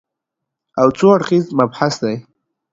او څو اړخیز مبحث دی